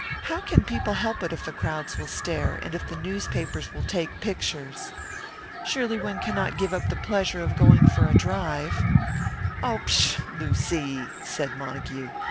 "How can people help it if the crowds will stare, and if the newspapers will take pictures? Surely one cannot give up the pleasure of going for a drive " "Oh, pshaw, Lucy!" said Montague.